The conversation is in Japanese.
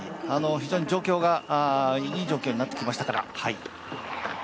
非常に状況がいい状況になってきましたから。